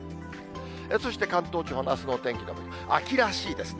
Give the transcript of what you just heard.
そして関東地方のあすの天気のポイント、秋らしいですね。